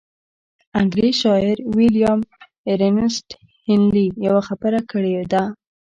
انګرېز شاعر ويليام ايرنيسټ هينلي يوه خبره کړې ده.